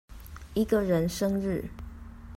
一個人生日